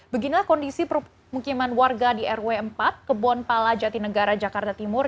beginilah kondisi permukiman warga di rw empat kebon pala jati negara jakarta timur